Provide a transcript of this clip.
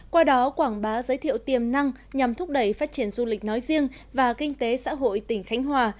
qua đó quảng bá giới thiệu tiềm năng nhằm thúc đẩy phát triển du lịch nói riêng và kinh tế xã hội tỉnh khánh hòa